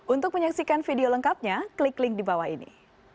untuk menyaksikan video lengkapnya klik link di bawah ini